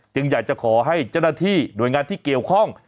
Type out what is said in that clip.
อยากจะขอให้เจ้าหน้าที่หน่วยงานที่เกี่ยวข้อง